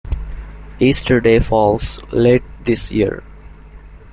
Easter Day falls late this year